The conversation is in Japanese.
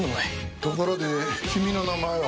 ところで君の名前は？